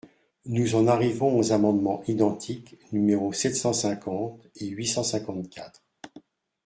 Nous en arrivons aux amendements identiques, numéros sept cent cinquante et huit cent cinquante-quatre.